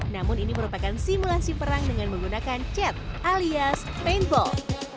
namun ini merupakan simulasi perang dengan menggunakan chat alias paintball